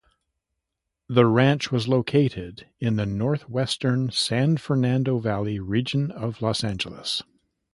The ranch was located in the northwestern San Fernando Valley region of Los Angeles.